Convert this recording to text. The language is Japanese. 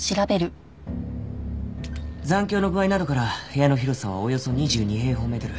残響の具合などから部屋の広さはおよそ２２平方メートル。